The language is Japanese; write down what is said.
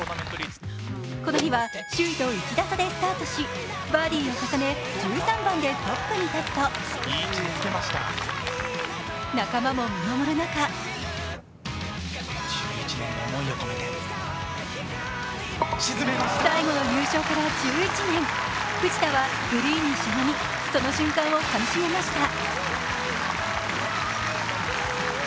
この日は首位と２打差でスタートしバーディーを重ね１３番でトップに立つと、仲間も見守る中最後の優勝から１１年、藤田はグリーンにしゃがみその瞬間をかみしめました。